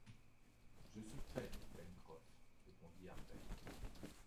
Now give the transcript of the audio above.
Je suis prêt, Pencroff, répondit Harbert.